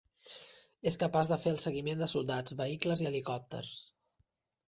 És capaç de fer el seguiment de soldats, vehicles i helicòpters.